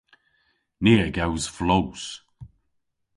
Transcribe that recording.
Ni a gews flows!